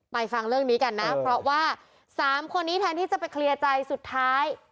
ฟังเรื่องนี้กันนะเพราะว่า๓คนนี้แทนที่จะไปเคลียร์ใจสุดท้าย